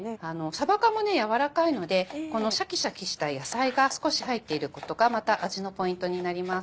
さば缶もやわらかいのでこのシャキシャキした野菜が少し入っていることがまた味のポイントになります。